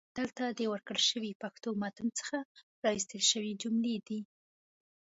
دلته د ورکړل شوي پښتو متن څخه را ایستل شوي جملې دي: